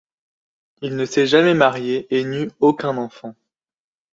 Il ne s’est jamais marié et n’eut aucun enfant.